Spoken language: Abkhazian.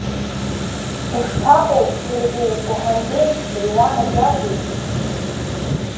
Ушԥаҟоу, Ҭырбеи, уҳамбеижьҭеи, уанаџьалбеит?